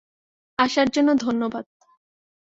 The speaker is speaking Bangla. আসার জন্য ধন্যবাদ!